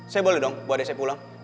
saya boleh dong buat dc pulang